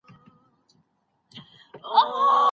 کمپيوټر پروفايل لري.